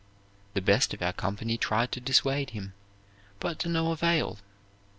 The best of our company tried to dissuade him, but to no avail.